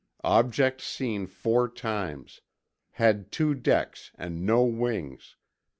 object seen four times ... had two decks and no wings